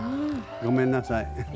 ごめんなさい。